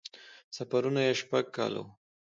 سفرونه یې شپږ کاله وو.